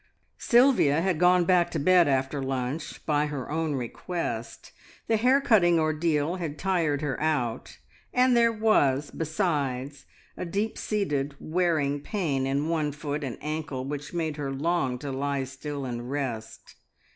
Sylvia had gone back to bed after lunch by her own request. The hair cutting ordeal had tired her out, and there was, besides, a deep seated wearing pain in one foot and ankle which made her long to lie still and rest.